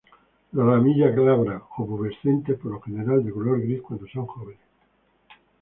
Las ramillas glabras o pubescentes, por lo general de color gris cuando son jóvenes.